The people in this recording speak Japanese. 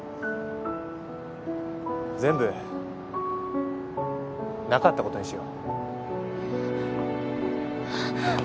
全部なかったことにしよう。